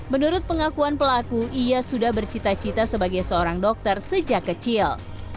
menurut pengakuan pelaku ia sudah bercita cita sebagai seorang dokter sejak kecil